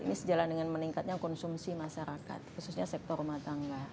ini sejalan dengan meningkatnya konsumsi masyarakat khususnya sektor rumah tangga